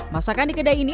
masakan di kedai ini